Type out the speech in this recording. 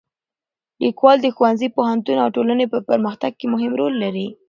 لیکوالی د ښوونځي، پوهنتون او ټولنې په پرمختګ کې مهم رول لري.